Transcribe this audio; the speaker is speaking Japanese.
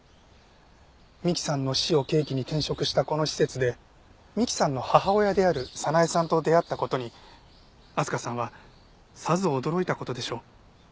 美希さんの死を契機に転職したこの施設で美希さんの母親である早苗さんと出会った事に明日香さんはさぞ驚いた事でしょう。